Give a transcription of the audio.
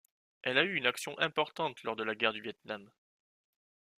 Elle a eu une action importante lors de la guerre du Vietnam.